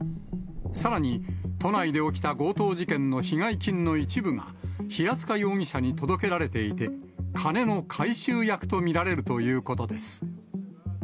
さらに、都内で起きた強盗事件の被害金の一部が、平塚容疑者に届けられていて、金の回収役と見られるということです。